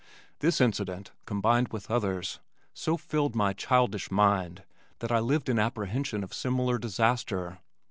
This incident combined with others so filled my childish mind that I lived in apprehension of similar disaster.